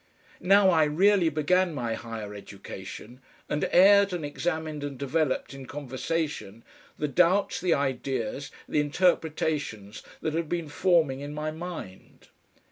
Now I really began my higher education, and aired and examined and developed in conversation the doubts, the ideas, the interpretations that had been forming in my mind.